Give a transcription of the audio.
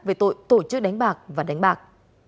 về tội tổ chức đánh bạc và đánh bạc